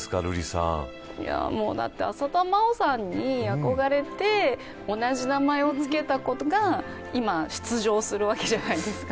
浅田真央さんに憧れて同じ名前をつけた子が今、出場するわけじゃないですか。